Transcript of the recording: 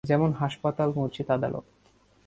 যেমন, হাসপাতাল, মসজিদ, আদালত।